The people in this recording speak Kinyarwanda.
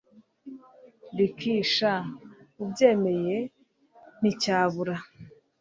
Ricky sha ubyemeye nticyabura